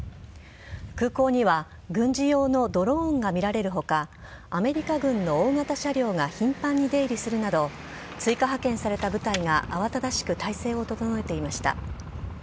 空港には軍事用のドローンが見られるほか、アメリカ軍の大型車両が頻繁に出入りするなど、追加派遣された部隊が慌ただしく体制を整えていました。